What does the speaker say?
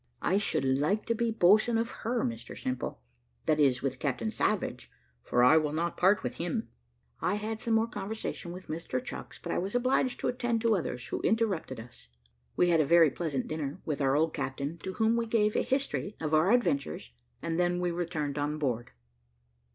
"I should like to be boatswain of her, Mr Simple: that is, with Captain Savage, for I will not part with him." I had some more conversation with Mr Chucks, but I was obliged to attend to others, who interrupted us. We had a very pleasant dinner with our old captain, to whom we gave a history of our adventures, and then we returned on board.